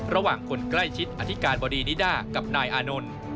คนใกล้ชิดอธิการบดีนิด้ากับนายอานนท์